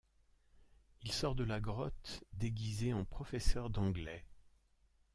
Il sort de la grotte déguisé en professeur d'anglais.